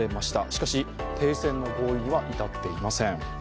しかし停戦の合意には至っていません。